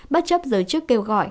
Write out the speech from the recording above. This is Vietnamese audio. bất chấp giới chức kêu gọi